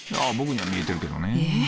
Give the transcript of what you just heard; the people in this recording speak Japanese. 僕には見えてるけどねえ。